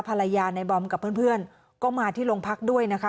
ภรรยาในบอมกับเพื่อนก็มาที่โรงพักด้วยนะคะ